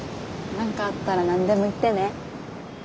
何かあったら何でも言ってね。